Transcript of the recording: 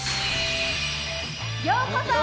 ようこそ！